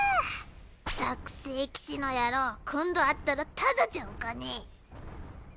ったく聖騎士の野郎今度会ったらただじゃおかねぇ。